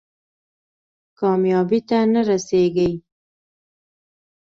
کامیابۍ ته نه رسېږي.